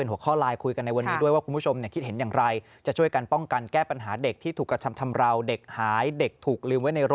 ว้ายในรถเด็กถูกกระทำชำราว